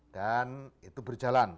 dan itu berjalan